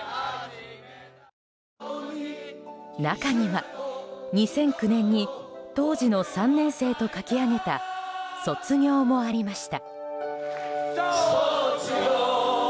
中には、２００９年に当時の３年生と書き上げた「卒業」もありました。